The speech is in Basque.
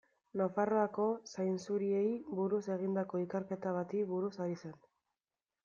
Nafarroako zainzuriei buruz egindako ikerketa bati buruz ari zen.